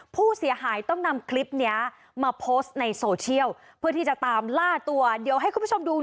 ผู้เสียหายต้องนำคลิปเนี้ยมาโพสต์ในโซเชียลเพื่อที่จะตามล่าตัวเดี๋ยวให้คุณผู้ชมดู